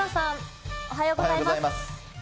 おはようございます。